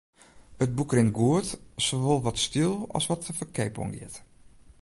It boek rint goed, sawol wat styl as wat de ferkeap oangiet.